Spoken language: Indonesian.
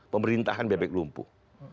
pemerintahan bebek lumpuh